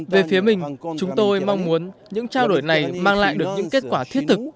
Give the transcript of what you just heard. về phía mình chúng tôi mong muốn những trao đổi này mang lại được những kết quả thiết thực